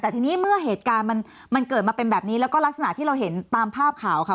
แต่ทีนี้เมื่อเหตุการณ์มันเกิดมาเป็นแบบนี้แล้วก็ลักษณะที่เราเห็นตามภาพข่าวค่ะ